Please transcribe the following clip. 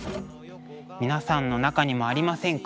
皆さんの中にもありませんか？